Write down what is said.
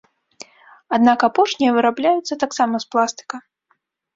Аднак апошнія вырабляюцца таксама з пластыка.